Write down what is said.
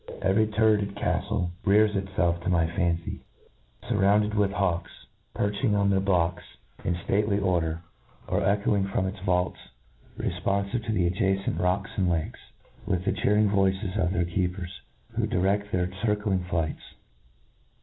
Every turreted cattle rears itfelf to my fancy, furround* INTRODUCTION. 41 cd with hawks perching on their blocks in ftatc ly order, or echoing from its vaults, refponfive to, the adjacent rocks and lakes, with the chear ing voices of their keepers, who direGt their circling flights.